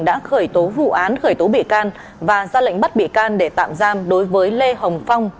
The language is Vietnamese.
đã khởi tố vụ án khởi tố bị can và ra lệnh bắt bị can để tạm giam đối với lê hồng phong